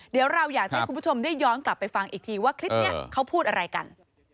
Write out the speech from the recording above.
เดี๋ยวเราอยากจะให้คุณผู้ชมได้ย้อนกลับไปฟังอีกทีว่าคลิปนี้เขาพูดอะไรกัน